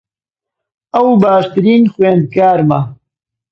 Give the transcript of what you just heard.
ئەو باشترین خوێندکارمە.